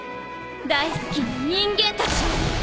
大好きな人間たちを